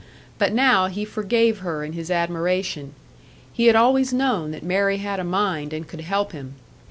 But now he forgave her in his admiration; he had always known that Mary had a mind and could help him!